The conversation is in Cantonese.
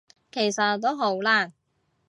其實都好難